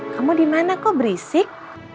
kamu dimana kok berisik